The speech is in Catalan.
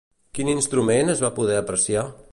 Quin instrument es va poder apreciar?